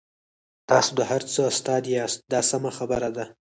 تاسو د هر څه استاد یاست دا سمه خبره ده.